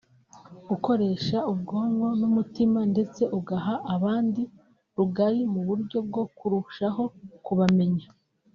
gukoresha ubwonko n’umutima ndetse ugaha abandi rugari mu buryo bwo kurushaho kubamenya